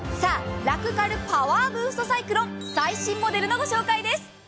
ラクかるパワーブーストサイクロン、最新モデルのご紹介です。